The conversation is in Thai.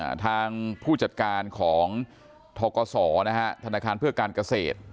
ทางผู้จัดการของทกศนะฮะธนาคารเพื่อการเกษตร